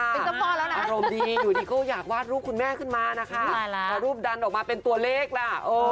เป็นเจ้าพ่อแล้วนะอารมณ์ดีอยู่ดีก็อยากวาดรูปคุณแม่ขึ้นมานะคะแล้วรูปดันออกมาเป็นตัวเลขล่ะ